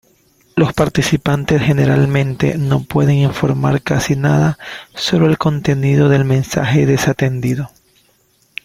Los participantes generalmente no pueden informar casi nada sobre el contenido del mensaje desatendido.